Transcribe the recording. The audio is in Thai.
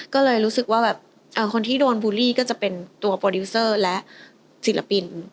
ก็เลยรู้สึกว่าแบบคนที่โดนบูลลี่ก็จะเป็นตัวโปรดิวเซอร์และศิลปิน